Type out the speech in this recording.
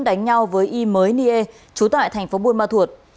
đánh nhau với y mới nghê trú tại tp buôn ma thuột